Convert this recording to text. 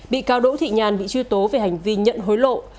bị cáo đỗ thị nhàn bị truy tố về hành vi nhận hối lộ